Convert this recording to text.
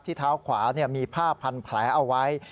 เท้าขวามีผ้าพันแผลเอาไว้